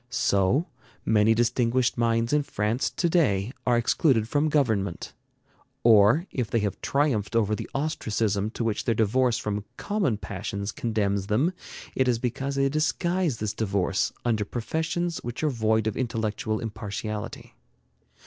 So, many distinguished minds in France to day are excluded from government; or if they have triumphed over the ostracism to which their divorce from common passions condemns them, it is because they disguise this divorce under professions which are void of intellectual impartiality.